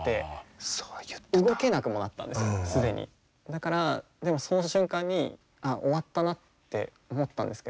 だからでもその瞬間に終わったなって思ったんですけど。